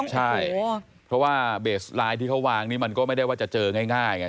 ใช่เพราะว่าเบสไลน์ที่เขาวางนี่มันก็ไม่ได้ว่าจะเจอง่ายไง